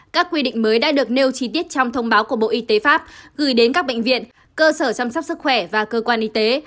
các quy định mới đã được nêu chi tiết trong thông báo của bộ y tế pháp gửi đến các bệnh viện cơ sở chăm sóc sức khỏe và cơ quan y tế